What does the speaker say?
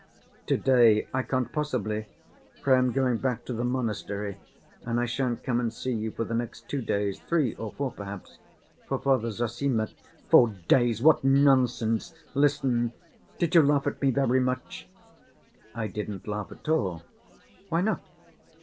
"To‐day I can't possibly, for I am going back to the monastery and I shan't come and see you for the next two days—three or four perhaps—for Father Zossima—" "Four days, what nonsense! Listen. Did you laugh at me very much?" "I didn't laugh at all." "Why not?"